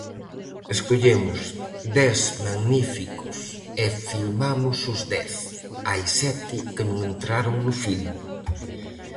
Escollemos dez magníficos e filmamos os dez; hai sete que non entraron no filme.